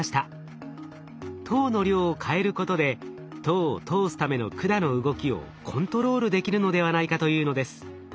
糖の量を変えることで糖を通すための管の動きをコントロールできるのではないかというのです。